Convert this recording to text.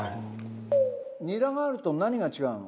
ニラがあると何が違うの？